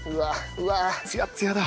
うわあ！ツヤッツヤだ！